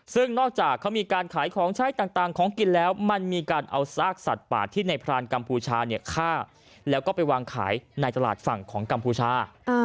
ซึ่งนอกจากเขามีการขายของใช้ต่างของกินแล้วมันมีการเอาซากสัตว์ป่าที่ในพรานกัมพูชาเนี่ยฆ่าแล้วก็ไปวางขายในตลาดฝั่งของกัมพูชา